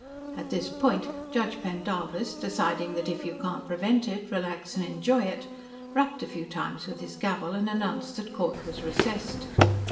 At this point, Judge Pendarvis, deciding that if you can't prevent it, relax and enjoy it, rapped a few times with his gavel, and announced that court was recessed.